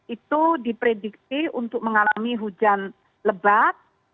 itu diprediksi untuk mengalami hujan lebat